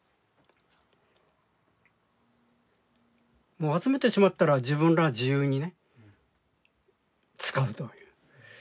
もう集めてしまったら自分らが自由にね使うという。